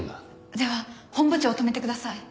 では本部長を止めてください。